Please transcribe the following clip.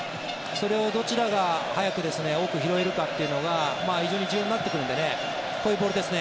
それをどちらが早く多く拾えるかというのが非常に重要になってくるのでこういうボールですね。